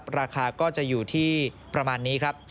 ราคาก็จะอยู่ที่ประมาณนี้ครับ